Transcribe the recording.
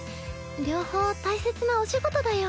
両方大切なお仕事だよ。